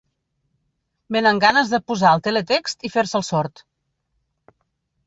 Vénen ganes de posar el teletext i fer-se el sord.